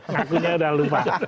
ngakunya udah lupa